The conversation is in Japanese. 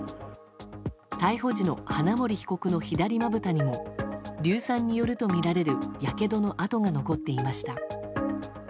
逮捕時の花森被告の左まぶたにも硫酸によるとみられるやけどの痕が残っていました。